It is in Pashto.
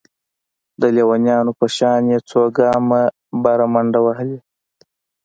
د ليونيانو په شان يې څو ګامه بره منډې وهلې.